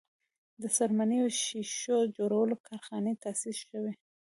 د څرمنې او ښیښو جوړولو کارخانې تاسیس شوې.